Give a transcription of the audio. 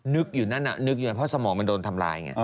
นึกอยู่นั้นเพราะสมองมันโดนทำร้าย